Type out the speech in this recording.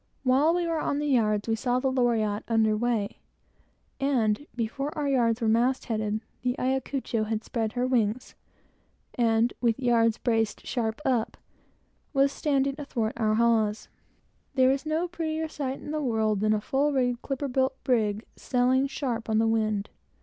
While we were on the yards, we saw the Loriotte under weigh, and before our yards were mast headed, the Ayacucho had spread her wings, and, with yards braced sharp up, was standing athwart our hawse. There is no prettier sight in the world than a full rigged, clipper built brig, sailing sharp on the wind.